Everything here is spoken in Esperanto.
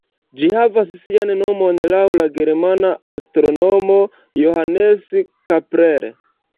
Ĝi havas sian nomon laŭ la germana astronomo Johannes Kepler.